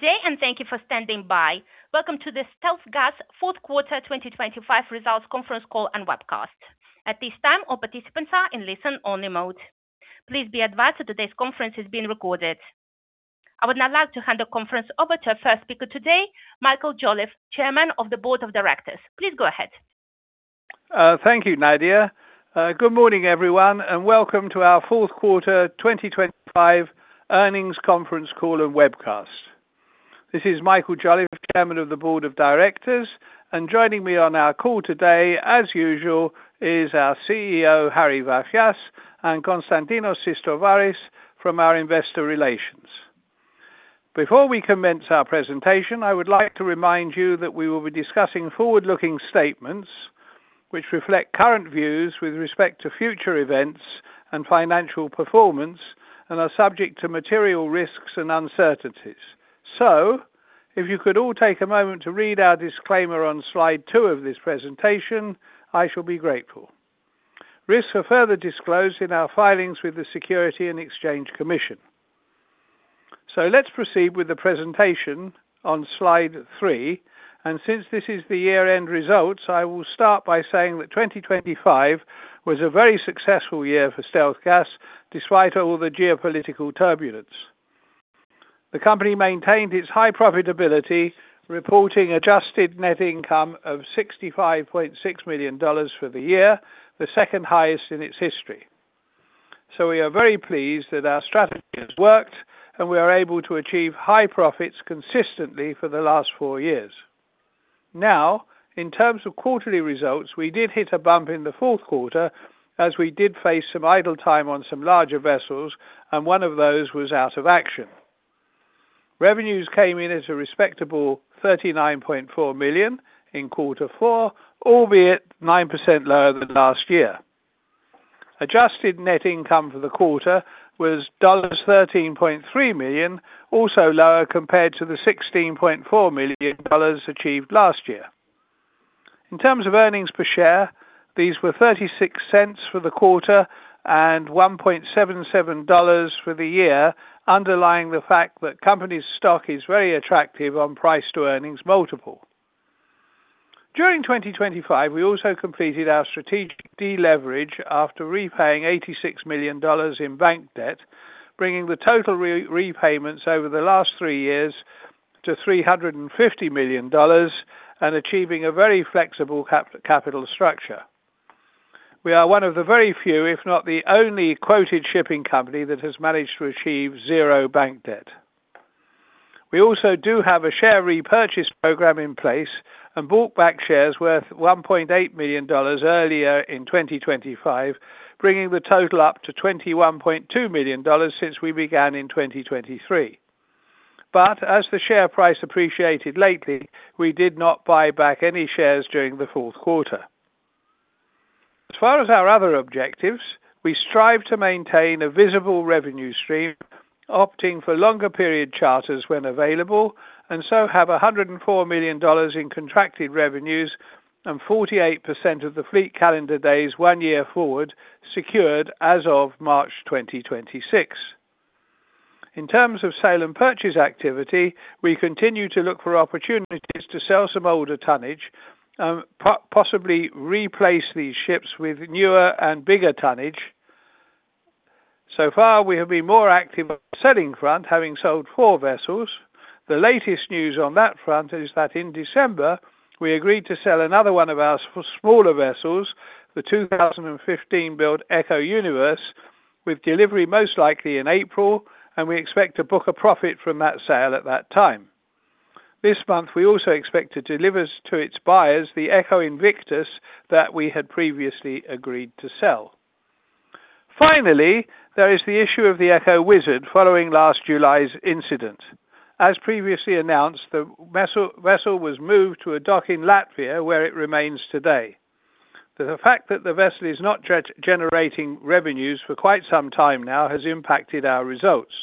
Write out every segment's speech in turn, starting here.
Day and thank you for standing by. Welcome to the StealthGas fourth quarter 2025 results conference call and webcast. At this time, all participants are in listen-only mode. Please be advised that today's conference is being recorded. I would now like to hand the conference over to our first speaker today, Michael Jolliffe, Chairman of the Board of Directors. Please go ahead. Thank you, Nadia. Good morning, everyone, and welcome to our fourth quarter 2025 earnings conference call and webcast. This is Michael Jolliffe, Chairman of the Board of Directors. Joining me on our call today, as usual, is our CEO, Harry Vafias, and Konstantinos Sistovaris from our Investor Relations. Before we commence our presentation, I would like to remind you that we will be discussing forward-looking statements which reflect current views with respect to future events and financial performance and are subject to material risks and uncertainties. If you could all take a moment to read our disclaimer on slide two of this presentation, I shall be grateful. Risks are further disclosed in our filings with the Securities and Exchange Commission. Let's proceed with the presentation on slide three. Since this is the year-end results, I will start by saying that 2025 was a very successful year for StealthGas despite all the geopolitical turbulence. The company maintained its high profitability, reporting adjusted net income of $65.6 million for the year, the second highest in its history. We are very pleased that our strategy has worked, and we are able to achieve high profits consistently for the last four years. Now, in terms of quarterly results, we did hit a bump in the fourth quarter as we did face some idle time on some larger vessels, and one of those was out of action. Revenues came in as a respectable $39.4 million in quarter four, albeit 9% lower than last year. Adjusted net income for the quarter was $13.3 million, also lower compared to the $16.4 million achieved last year. In terms of earnings per share, these were $0.36 for the quarter and $1.77 for the year, underlying the fact that company's stock is very attractive on price to earnings multiple. During 2025, we also completed our strategic deleverage after repaying $86 million in bank debt, bringing the total repayments over the last three years to $350 million and achieving a very flexible capital structure. We are one of the very few, if not the only, quoted shipping company that has managed to achieve zero bank debt. We also do have a share repurchase program in place and bought back shares worth $1.8 million earlier in 2025, bringing the total up to $21.2 million since we began in 2023. As the share price appreciated lately, we did not buy back any shares during the fourth quarter. As far as our other objectives, we strive to maintain a visible revenue stream, opting for longer period charters when available, and so have $104 million in contracted revenues and 48% of the fleet calendar days one year forward secured as of March 2026. In terms of sale and purchase activity, we continue to look for opportunities to sell some older tonnage, possibly replace these ships with newer and bigger tonnage. Far, we have been more active on the selling front, having sold four vessels. The latest news on that front is that in December, we agreed to sell another one of our smaller vessels, the 2015-built Echo Universe, with delivery most likely in April, and we expect to book a profit from that sale at that time. This month, we also expect to deliver to its buyers the Echo Invictus that we had previously agreed to sell. Finally, there is the issue of the Eco Wizard following last July's incident. As previously announced, the vessel was moved to a dock in Latvia, where it remains today. The fact that the vessel is not generating revenues for quite some time now has impacted our results.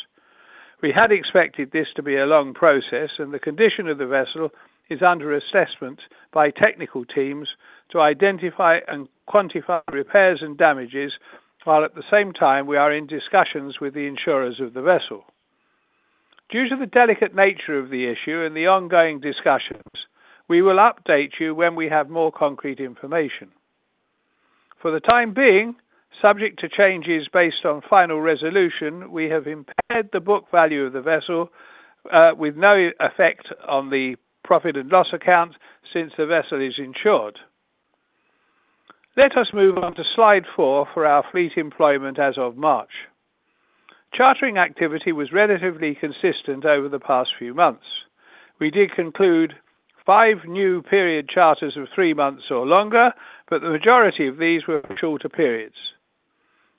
We had expected this to be a long process. The condition of the vessel is under assessment by technical teams to identify and quantify repairs and damages, while at the same time we are in discussions with the insurers of the vessel. Due to the delicate nature of the issue and the ongoing discussions, we will update you when we have more concrete information. For the time being, subject to changes based on final resolution, we have impaired the book value of the vessel, with no effect on the profit and loss account since the vessel is insured. Let us move on to slide 4 for our fleet employment as of March. Chartering activity was relatively consistent over the past few months. We did conclude five new period charters of three months or longer. The majority of these were shorter periods.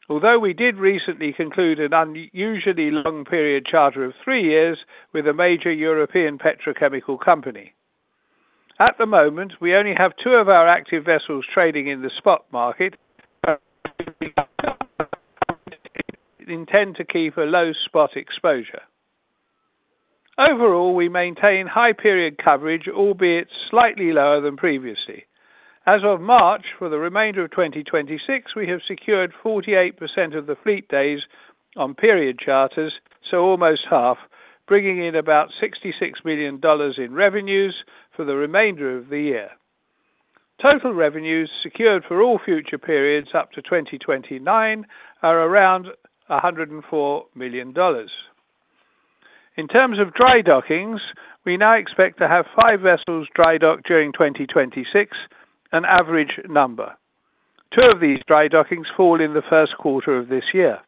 We did recently conclude an unusually long period charter of three years with a major European petrochemical company. At the moment, we only have two of our active vessels trading in the spot market. Intend to keep a low spot exposure. Overall, we maintain high period coverage, albeit slightly lower than previously. As of March, for the remainder of 2026, we have secured 48% of the fleet days on period charters, so almost half, bringing in about $66 million in revenues for the remainder of the year. Total revenues secured for all future periods up to 2029 are around $104 million. In terms of dry dockings, we now expect to have five vessels dry docked during 2026, an average number. Two of these dry dockings fall in the first quarter of this year.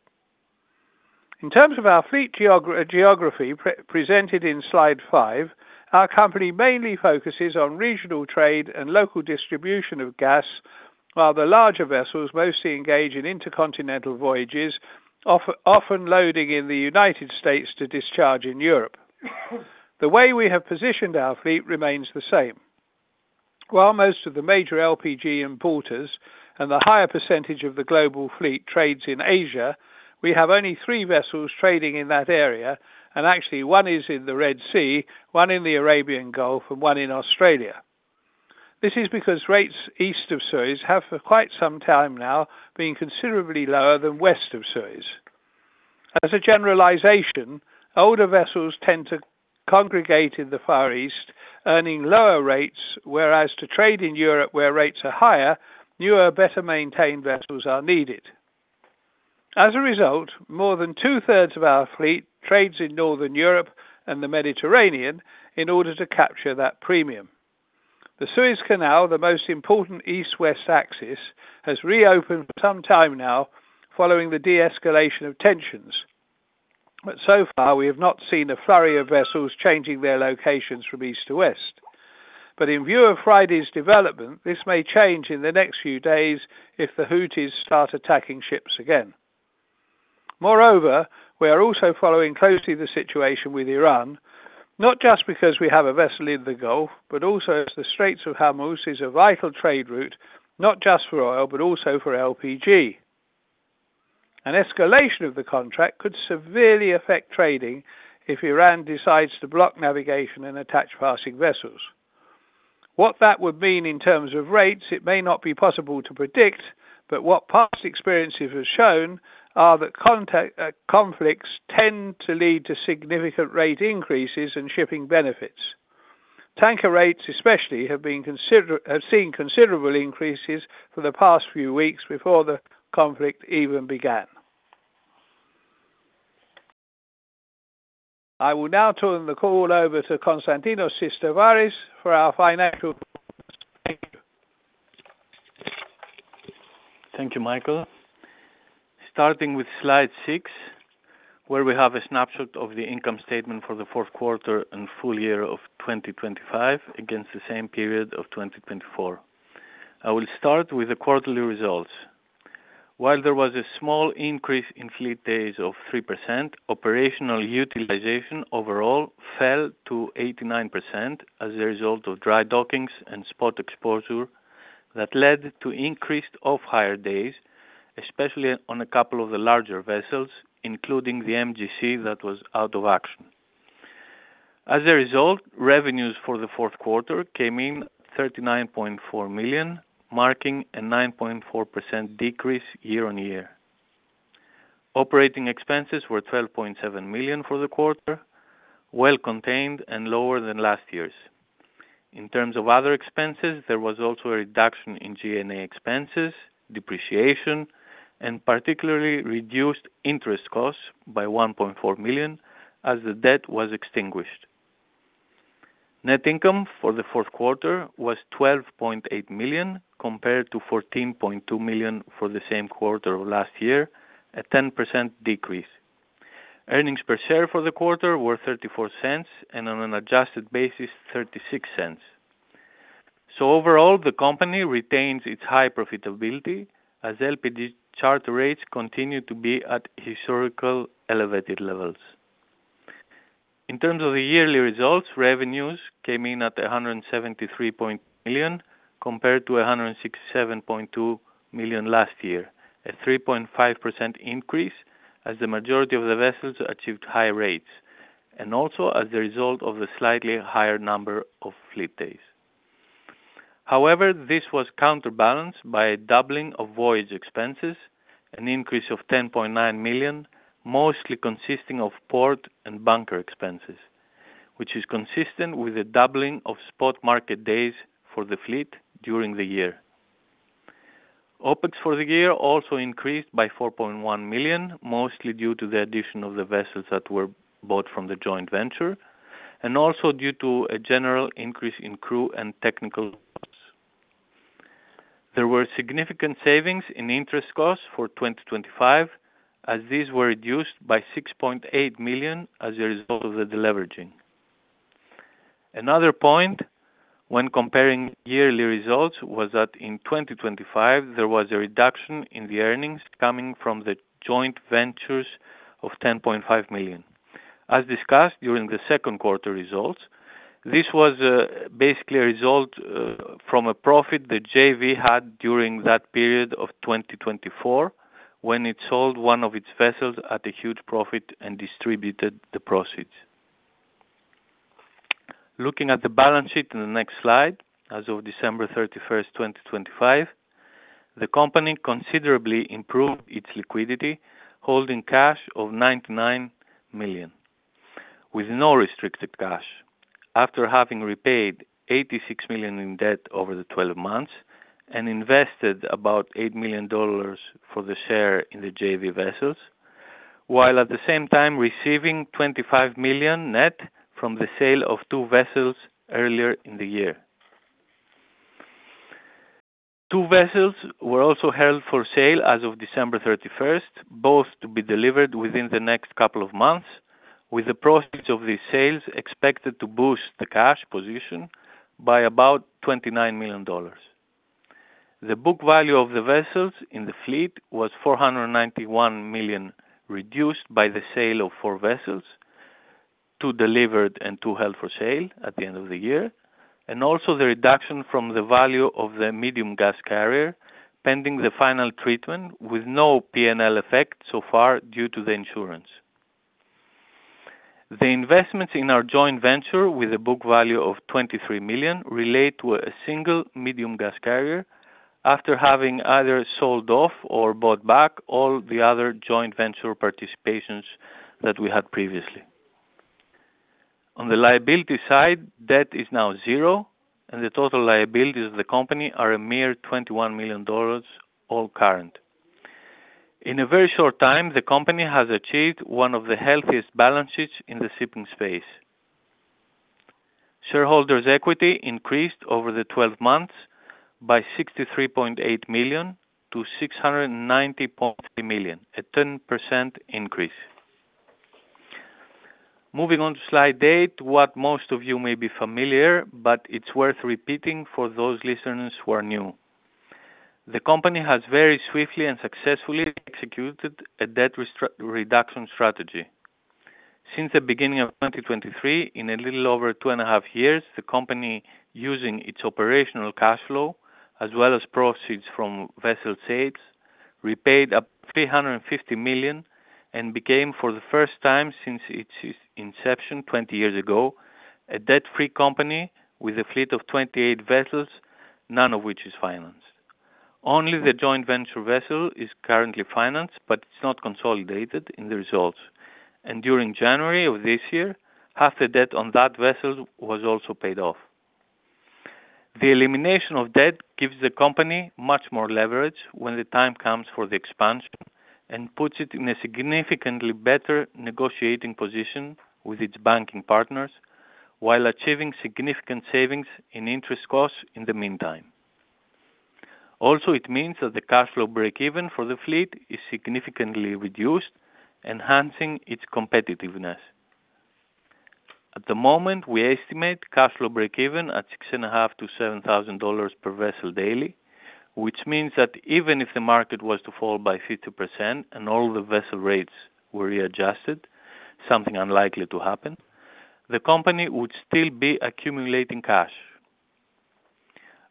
In terms of our fleet geography presented in Slide 5, our company mainly focuses on regional trade and local distribution of gas, while the larger vessels mostly engage in intercontinental voyages, often loading in the United States to discharge in Europe. The way we have positioned our fleet remains the same. While most of the major LPG importers and the higher percentage of the global fleet trades in Asia, we have only three vessels trading in that area, and actually one is in the Red Sea, one in the Arabian Gulf, and one in Australia. This is because rates east of Suez have, for quite some time now, been considerably lower than west of Suez. As a generalization, older vessels tend to congregate in the Far East, earning lower rates, whereas to trade in Europe, where rates are higher, newer, better-maintained vessels are needed. As a result, more than two-thirds of our fleet trades in Northern Europe and the Mediterranean in order to capture that premium. The Suez Canal, the most important east-west axis, has reopened for some time now following the de-escalation of tensions. So far, we have not seen a flurry of vessels changing their locations from east to west. In view of Friday's development, this may change in the next few days if the Houthis start attacking ships again. Moreover, we are also following closely the situation with Iran, not just because we have a vessel in the Gulf, but also as the Straits of Hormuz is a vital trade route, not just for oil, but also for LPG. An escalation of the contract could severely affect trading if Iran decides to block navigation and attach passing vessels. What that would mean in terms of rates, it may not be possible to predict, what past experiences have shown are that conflicts tend to lead to significant rate increases and shipping benefits. Tanker rates especially have seen considerable increases for the past few weeks before the conflict even began. I will now turn the call over to Konstantinos Sistovaris for our financial. Thank you. Thank you, Michael. Starting with slide six, where we have a snapshot of the income statement for the fourth quarter and full year of 2025 against the same period of 2024. I will start with the quarterly results. While there was a small increase in fleet days of 3%, operational utilization overall fell to 89% as a result of dry dockings and spot exposure that led to increased off-hire days, especially on a couple of the larger vessels, including the MGC that was out of action. As a result, revenues for the fourth quarter came in at $39.4 million, marking a 9.4% decrease year-on-year. Operating expenses were $12.7 million for the quarter, well contained and lower than last year's. In terms of other expenses, there was also a reduction in G&A expenses, depreciation, and particularly reduced interest costs by $1.4 million as the debt was extinguished. Net income for the fourth quarter was $12.8 million, compared to $14.2 million for the same quarter of last year, a 10% decrease. Earnings per share for the quarter were $0.34 and on an adjusted basis, $0.36. Overall, the company retains its high profitability as LPG charter rates continue to be at historical elevated levels. In terms of the yearly results, revenues came in at $173.0 million compared to $167.2 million last year, a 3.5% increase as the majority of the vessels achieved high rates and also as a result of the slightly higher number of fleet days. However, this was counterbalanced by a doubling of voyage expenses, an increase of $10.9 million, mostly consisting of port and bunker expenses, which is consistent with the doubling of spot market days for the fleet during the year. OpEx for the year also increased by $4.1 million, mostly due to the addition of the vessels that were bought from the joint venture and also due to a general increase in crew and technical costs. There were significant savings in interest costs for 2025, as these were reduced by $6.8 million as a result of the deleveraging. Another point when comparing yearly results was that in 2025, there was a reduction in the earnings coming from the joint ventures of $10.5 million. As discussed during the second quarter results, this was basically a result from a profit the JV had during that period of 2024 when it sold one of its vessels at a huge profit and distributed the proceeds. Looking at the balance sheet in the next slide, as of December 31, 2025, the company considerably improved its liquidity, holding cash of $99 million, with no restricted cash. After having repaid $86 million in debt over the 12 months and invested about $8 million for the share in the JV vessels, while at the same time receiving $25 million net from the sale of two vessels earlier in the year. Two vessels were also held for sale as of December 31st, both to be delivered within the next couple of months, with the proceeds of these sales expected to boost the cash position by about $29 million. The book value of the vessels in the fleet was $491 million, reduced by the sale of four vessels, two delivered and two held for sale at the end of the year, and also the reduction from the value of the Medium Gas Carrier, pending the final treatment with no P&L effect so far due to the insurance. The investments in our joint venture, with a book value of $23 million, relate to a single Medium Gas Carrier after having either sold off or bought back all the other joint venture participations that we had previously. On the liability side, debt is now zero, and the total liabilities of the company are a mere $21 million, all current. In a very short time, the company has achieved one of the healthiest balance sheets in the shipping space. Shareholders equity increased over the 12 months by $63.8 million to $690 million, a 10% increase. Moving on to slide eight, what most of you may be familiar, but it's worth repeating for those listeners who are new. The company has very swiftly and successfully executed a debt reduction strategy. Since the beginning of 2023, in a little over two point five years, the company, using its operational cash flow as well as proceeds from vessel sales, repaid up to $350 million and became, for the first time since its inception 20 years ago, a debt-free company with a fleet of 28 vessels, none of which is financed. Only the joint venture vessel is currently financed, but it's not consolidated in the results. During January of this year, half the debt on that vessel was also paid off. The elimination of debt gives the company much more leverage when the time comes for the expansion and puts it in a significantly better negotiating position with its banking partners, while achieving significant savings in interest costs in the meantime. Also, it means that the cash flow break-even for the fleet is significantly reduced, enhancing its competitiveness. At the moment, we estimate cash flow break-even at $6,500-$7,000 per vessel daily, which means that even if the market was to fall by 50% and all the vessel rates were readjusted, something unlikely to happen, the company would still be accumulating cash.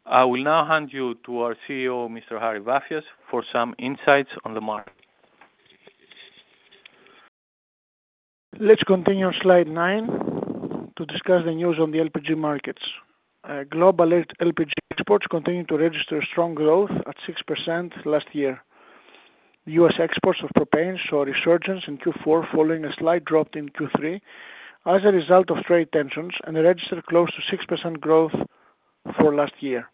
I will now hand you to our CEO, Mr. Harry Vafias, for some insights on the market. Let's continue on slide 9 to discuss the news on the LPG markets. Global LPG exports continue to register strong growth at 6% last year. U.S. exports of propane saw resurgence in Q4 following a slight drop in Q3 as a result of trade tensions, and they registered close to 6% growth for last year.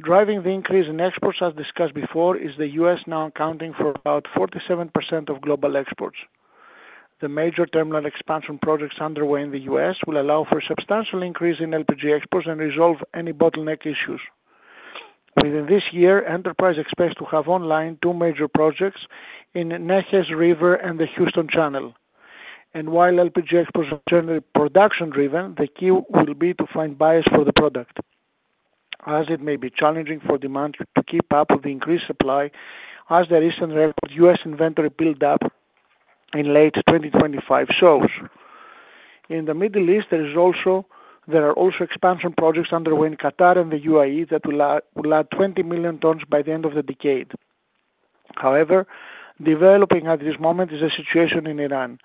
Driving the increase in exports, as discussed before, is the U.S. now accounting for about 47% of global exports. The major terminal expansion projects underway in the U.S. will allow for substantial increase in LPG exports and resolve any bottleneck issues. Within this year, Enterprise expects to have online two major projects in Neches River and the Houston Channel. While LPG exports are generally production-driven, the key will be to find buyers for the product as it may be challenging for demand to keep up with the increased supply as the recent export U.S. inventory build up in late 2025 shows. In the Middle East, there are also expansion projects underway in Qatar and the UAE that will add 20 million tons by the end of the decade. Developing at this moment is a situation in Iran.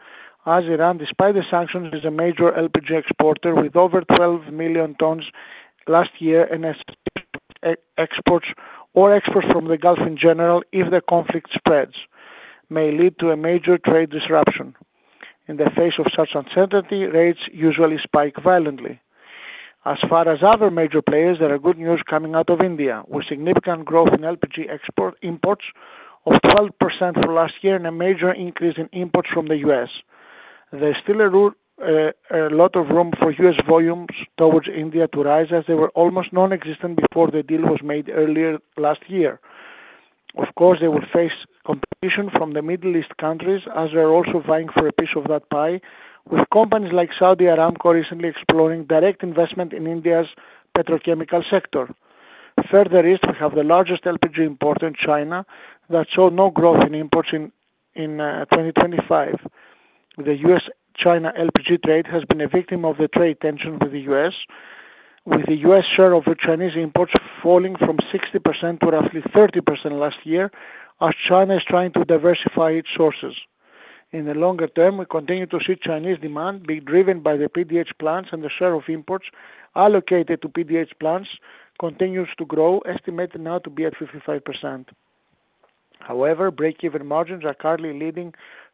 Iran, despite the sanctions, is a major LPG exporter with over 12 million tons last year and expected exports from the Gulf in general, if the conflict spreads, may lead to a major trade disruption. In the face of such uncertainty, rates usually spike violently. As far as other major players, there are good news coming out of India, with significant growth in LPG export imports of 12% for last year and a major increase in imports from the U.S. There's still a lot of room for U.S. volumes towards India to rise, as they were almost nonexistent before the deal was made earlier last year. Of course, they will face competition from the Middle East countries, as they are also vying for a piece of that pie, with companies like Saudi Aramco recently exploring direct investment in India's petrochemical sector. Further east, we have the largest LPG import in China that saw no growth in imports in 2025. The U.S.-China LPG trade has been a victim of the trade tension with the U.S. With the U.S. share of the Chinese imports falling from 60% to roughly 30% last year as China is trying to diversify its sources. In the longer term, we continue to see Chinese demand being driven by the PDH plants and the share of imports allocated to PDH plants continues to grow, estimated now to be at 55%. However, break-even margins are currently leading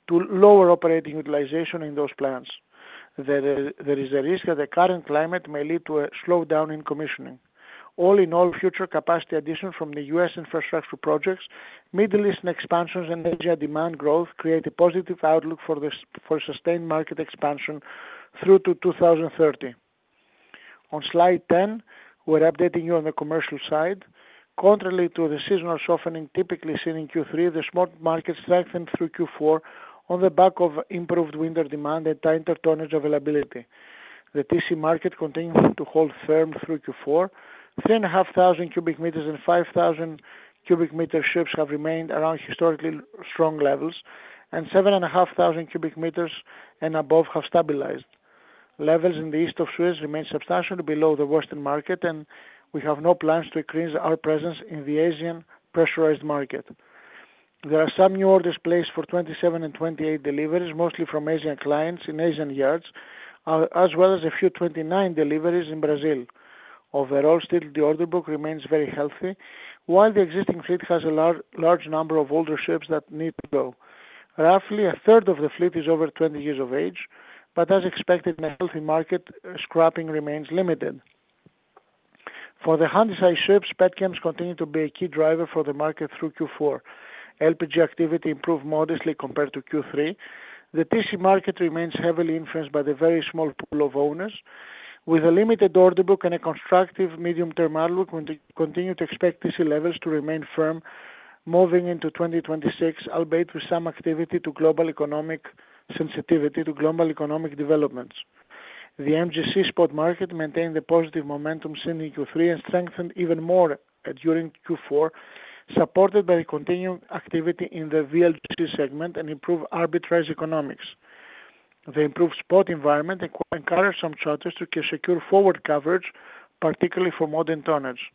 to lower operating utilization in those plants. There is a risk that the current climate may lead to a slowdown in commissioning. All in all, future capacity additions from the U.S. infrastructure projects, Middle Eastern expansions and energy demand growth create a positive outlook for sustained market expansion through to 2030. On slide 10, we're updating you on the commercial side. Contrary to the seasonal softening typically seen in Q3, the spot market strengthened through Q4 on the back of improved winter demand and tighter tonnage availability. The TC market continued to hold firm through Q4. 3,500 cubic meters and 5,000 cubic meter ships have remained around historically strong levels, and 7,500 cubic meters and above have stabilized. Levels in the East of Suez remain substantially below the Western market, and we have no plans to increase our presence in the Asian pressurized market. There are some new orders placed for 27 and 28 deliveries, mostly from Asian clients in Asian yards, as well as a few 29 deliveries in Brazil. Overall, still the order book remains very healthy. While the existing fleet has a large number of older ships that need to go. Roughly a third of the fleet is over 20 years of age, but as expected in a healthy market, scrapping remains limited. For the Handysize ships, Petchems continue to be a key driver for the market through Q4. LPG activity improved modestly compared to Q3. The TC market remains heavily influenced by the very small pool of owners. With a limited order book and a constructive medium-term outlook, we continue to expect TC levels to remain firm moving into 2026, albeit with some activity to global economic sensitivity to global economic developments. The MGC spot market maintained the positive momentum seen in Q3 and strengthened even more during Q4, supported by continued activity in the VLGC segment and improved arbitrage economics. The improved spot environment encouraged some charters to secure forward coverage, particularly for modern tonnage.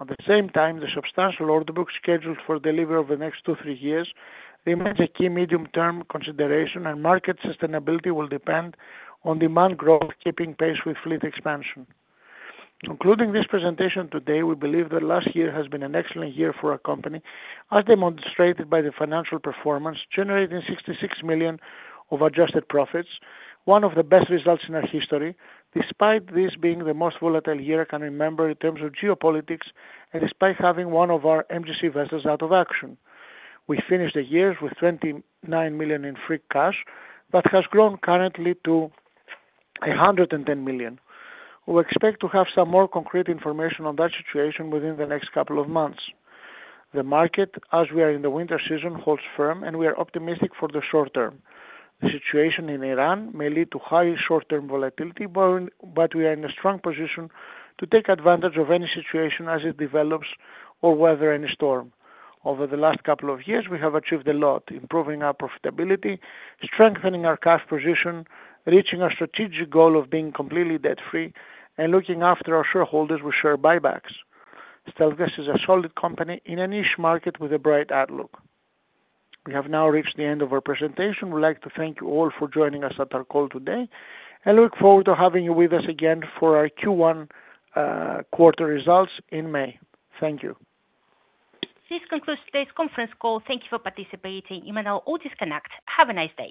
At the same time, the substantial order book scheduled for delivery over the next two, three years remains a key medium-term consideration and market sustainability will depend on demand growth keeping pace with fleet expansion. Concluding this presentation today, we believe that last year has been an excellent year for our company as demonstrated by the financial performance, generating $66 million of adjusted profits, one of the best results in our history, despite this being the most volatile year I can remember in terms of geopolitics and despite having one of our MGC vessels out of action. We finished the year with $29 million in free cash. Has grown currently to $110 million. We expect to have some more concrete information on that situation within the next couple of months. The market, as we are in the winter season, holds firm and we are optimistic for the short term. The situation in Iran may lead to high short-term volatility, but we are in a strong position to take advantage of any situation as it develops or weather any storm. Over the last couple of years, we have achieved a lot, improving our profitability, strengthening our cash position, reaching our strategic goal of being completely debt-free, and looking after our shareholders with share buybacks. StealthGas is a solid company in a niche market with a bright outlook. We have now reached the end of our presentation. We'd like to thank you all for joining us at our call today and look forward to having you with us again for our Q1 quarter results in May. Thank you. This concludes today's conference call. Thank you for participating. You may now all disconnect. Have a nice day.